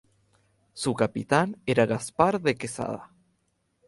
Su capitán era Gaspar de Quesada.